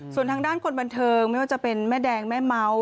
ส่วนทางด้านคนบันเทิงไม่ว่าจะเป็นแม่แดงแม่เมา